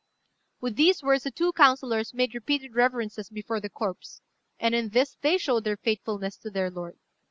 With these words the two councillors made repeated reverences before the corpse; and in this they showed their faithfulness to their lord.